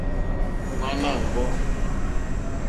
Ŋwáná wɔ̀ŋɡɔ́.